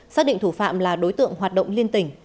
xác định thủ phạm là đối tượng hoạt động liên tỉnh